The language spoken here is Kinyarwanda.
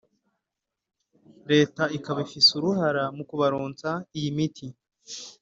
leta ikaba ifise uruhara mu kubaronsa iyo miti